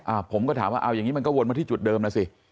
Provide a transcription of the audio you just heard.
ผมก็ถามว่าเอาอย่างนี้มันก็วนมาที่จุดเดิมนะสิ